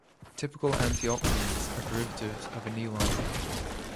Typical antioxidants are derivatives of aniline.